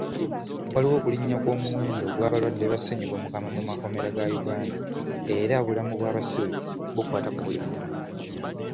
Waliwo okulinnya kw'omuwendo gw'abalwadde ba ssennyiga omukambwe mu makomera ga Uganda era obulamu bw'abasibe bukwata ku buli muntu.